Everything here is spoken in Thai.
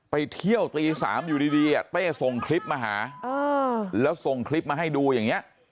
ไปเที่ยวตี๓อยู่ดีเต้ส่งคลิปมาหาแล้วส่งคลิปมาให้ดูอย่างนี้